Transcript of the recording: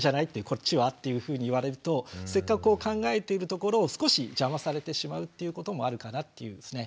こっちは？っていうふうに言われるとせっかく考えているところを少し邪魔されてしまうっていうこともあるかなっていうですね